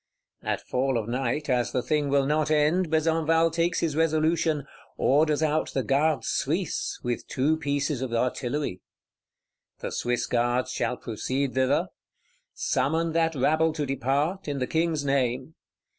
At fall of night, as the thing will not end, Besenval takes his resolution: orders out the Gardes Suisses with two pieces of artillery. The Swiss Guards shall proceed thither; summon that rabble to depart, in the King's name.